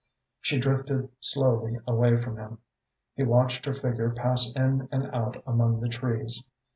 She drifted slowly away from him. He watched her figure pass in and out among the trees.